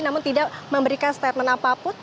namun tidak memberikan statement apapun